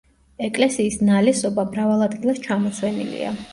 ეკლესიის ნალესობა მრავალ ადგილას ჩამოცვენილია.